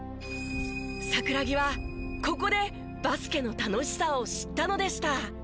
桜木はここでバスケの楽しさを知ったのでした。